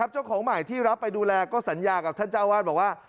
เจ้าของใหม่ที่รับไปดูแลก็สัญญากับท่านเจ้าวาดบอกว่า